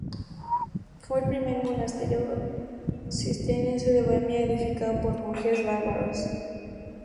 Fue el primer monasterio cisterciense de Bohemia, edificado por monjes bávaros.